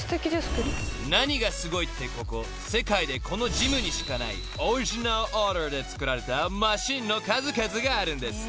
［何がすごいってここ世界でこのジムにしかないオリジナルオーダーで作られたマシンの数々があるんです］